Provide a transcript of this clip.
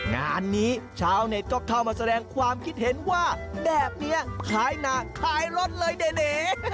งานนี้ชาวเน็ตก็เข้ามาแสดงความคิดเห็นว่าแบบนี้ขายหนักขายรถเลยเด๋